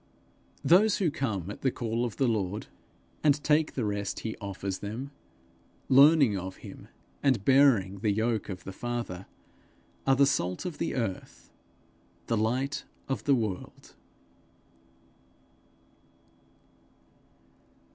Those who come at the call of the Lord, and take the rest he offers them, learning of him, and bearing the yoke of the Father, are the salt of the earth, the light of the world.